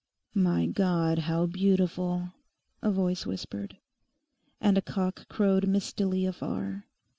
'My God, how beautiful!' a voice whispered. And a cock crowed mistily afar.